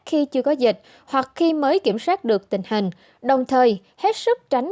khi chưa có dịch hoặc khi mới kiểm soát được tình hình đồng thời hết sức tránh